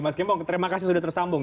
mas gembong terima kasih sudah tersambung